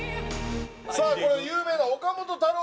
さあこれを有名な岡本太郎